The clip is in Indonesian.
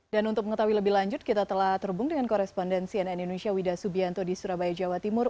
dan untuk mengetahui lebih lanjut kita telah terhubung dengan korespondensi nn indonesia wida subianto di surabaya jawa timur